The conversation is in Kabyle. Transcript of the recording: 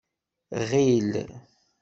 Ɣil.